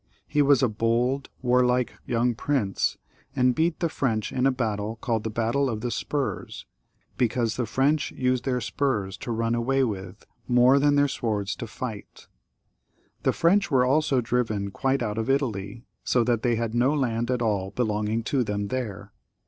He was a bold, warlike young prince, and beat the French in a battle called the battle of the Spurs, because the French used their spurs to run away with more than their swords to fight with. The French were also driven quite out of Italy, so that they had no land at all belonging to them there.